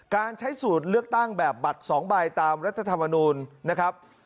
การใช้สูตรเลือกตั้งแบบบัตร๒ใบตามรัฐธรรมนูลนะครับ